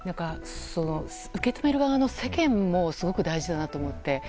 受け止める側の世間もすごく大事だなと思って。